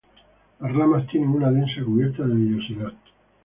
Las ramas tienen una densa cubierta de vellosidad.